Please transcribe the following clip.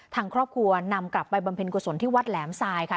ทางครอบครัวนำกลับไปบำเพ็ญกุศลที่วัดแหลมทรายค่ะ